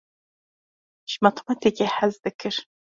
Ji matematîkê hez dikir.